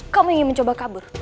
kamu ingin mencoba kabur